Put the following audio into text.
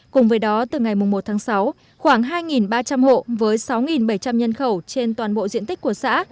cùng với đó từ ngày một tháng sáu khoảng hai ba trăm linh hộ với sáu bảy trăm linh nhân khẩu trên toàn bộ diện tích của xã